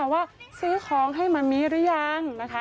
แต่ว่าซื้อของให้มามิหรือยัง